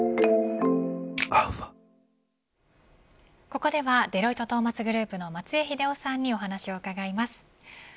ここではデロイトトーマツグループの松江英夫さんにお話を伺います。